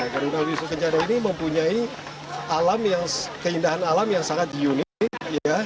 kandungan wisata kencana ini mempunyai alam yang keindahan alam yang sangat unik ya